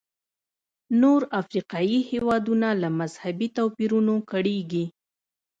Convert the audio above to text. نور افریقایي هېوادونه له مذهبي توپیرونو کړېږي.